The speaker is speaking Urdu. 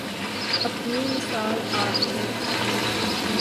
اپنی مثال آپ ہے